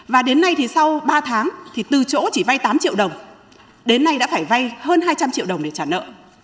và đến nay thì sau ba tháng thì từ chỗ chỉ vay tám triệu đồng đến nay đã phải vay hơn hai trăm linh triệu đồng để trả nợ